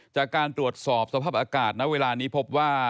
จากการตรวจสอบสภาพอากาศณเวลานี้พบว่า